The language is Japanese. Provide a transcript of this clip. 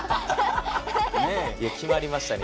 いや決まりましたね